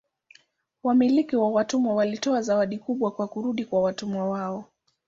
Wamiliki wa watumwa walitoa zawadi kubwa kwa kurudi kwa watumwa wao.